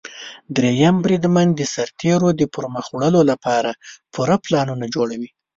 دریم بریدمن د سرتیرو د پرمخ وړلو لپاره پوره پلانونه جوړوي.